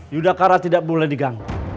yudhakara tidak boleh diganggu